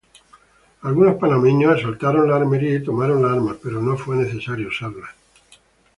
Algunos panameños asaltaron las armerías y tomaron las armas, pero no fue necesario usarlas.